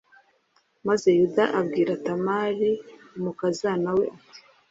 maze yuda abwira tamari umukazana we ati